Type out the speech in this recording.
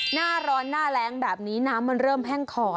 หน้าร้อนหน้าแรงแบบนี้น้ำมันเริ่มแห้งขอด